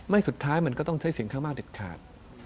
ไม่สุดท้ายมันก็ต้องใช้สินค้ามากเด็ดขาด